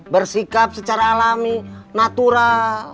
bersikap secara alami natural